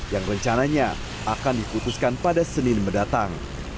yang rencananya akan diputuskan pada senin mendatang